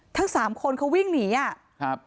ทั้งสามคนเขาวิ่งหนีอ่ะครับ